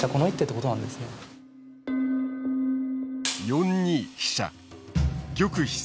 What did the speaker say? ４二飛車。